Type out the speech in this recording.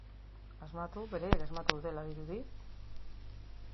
Asmatu, beraiek asmatu dutela dirudi.